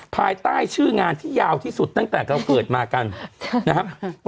ภายใต้ชื่องานที่ยาวที่สุดตั้งแต่เราเกิดมากันนะครับ